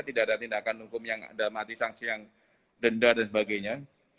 tidak ada tindakan hukum yang ada mati sanksi yang denda dan sebagainya